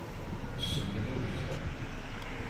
Ass-nni d awezzeɛ.